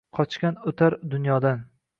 Qochgan o‘tar dunyodan